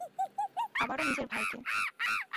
আবারও নিজের ভাইকে।